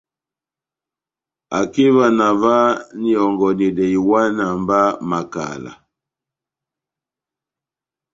Akeva na ová na ihɔngɔnedɛ iwana má makala.